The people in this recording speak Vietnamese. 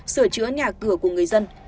sửa chữa nhà cửa của người dân